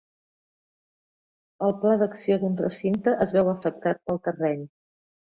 El pla d'acció d'un recinte es veu afectat pel terreny.